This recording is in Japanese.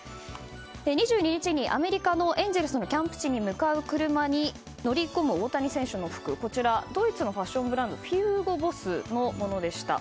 ２２日にアメリカのエンゼルスのキャンプ地に向かう車に乗り込む大谷選手の服、こちらドイツのファッションブランドヒューゴボスのものでした。